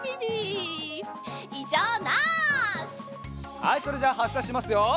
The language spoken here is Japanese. はいそれじゃあはっしゃしますよ。